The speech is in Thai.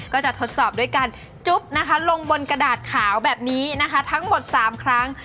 ก็จะทดสอบด้วยการจุ๊บนะคะลงบนกระดาษขาวแบบนี้นะคะทั้งหมด๓ครั้ง